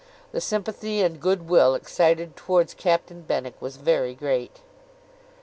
The sympathy and good will excited towards Captain Benwick was very great.